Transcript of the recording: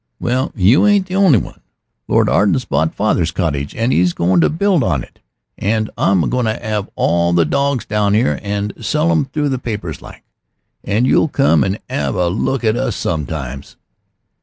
Well, you ain't the only one. Lord Arden's bought father's cottage an' 'e's goin' to build on to it, and I'm to 'ave all the dawgs down 'ere, and sell 'em through the papers like. And you'll come an' 'ave a look at us sometimes."